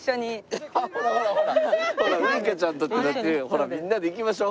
ほらウイカちゃんとってなってほらみんなで行きましょう。